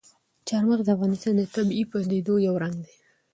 چار مغز د افغانستان د طبیعي پدیدو یو رنګ دی.